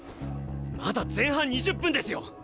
まだ前半２０分ですよ？